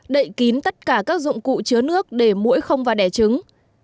một đậy kín tất cả các dụng cụ chứa nước để mũi không và đẻ trứng